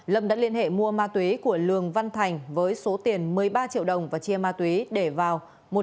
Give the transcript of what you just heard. lâm đã liên hệ mua ma túy của lường văn thành với số tiền một mươi ba triệu đồng và chia ma túy để vào